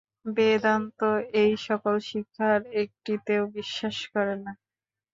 বেদান্ত এই-সকল শিক্ষার একটিতেও বিশ্বাস করে না।